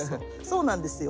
そうなんですよ。